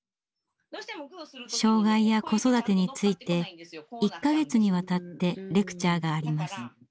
障害や子育てについて１か月にわたってレクチャーがあります。